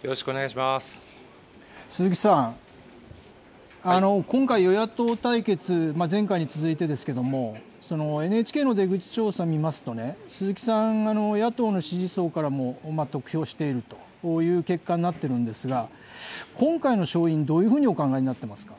鈴木さん、今回、与野党対決、前回に続いてですけれども、ＮＨＫの出口調査見ますとね、鈴木さん、野党の支持層からも得票しているという結果になっているんですが、今回の勝因、どういうふうにお考えになっていますか。